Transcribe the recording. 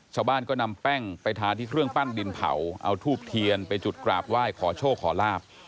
ชาวบ้านก็นำแป้งไปทาที่เครื่องปั้นดินเผาเอาทูบเทียนไปจุดกราบไหว้ขอโชคขอลาบ